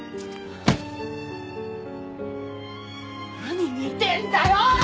何見てんだよ！